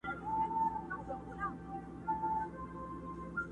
له کاږه تاکه راغلې ده مستي جام و شراب ته،